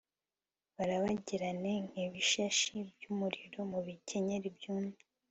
barabagirane nk'ibishashi by'umuriro mu bikenyeri byumye